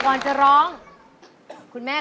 กลับมาเมื่อเวลาที่สุดท้าย